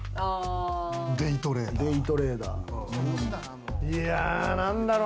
デイトレーダー？